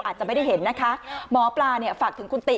อาจจะไม่ได้เห็นนะคะหมอปลาเนี่ยฝากถึงคุณติ